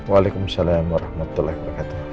waalaikumsalam warahmatullahi wabarakatuh